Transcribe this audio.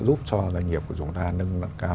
giúp cho doanh nghiệp của chúng ta nâng cao